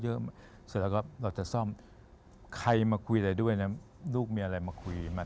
เสร็จแล้วก็เราจะซ่อมใครมาคุยอะไรด้วยนะลูกมีอะไรมาคุยมา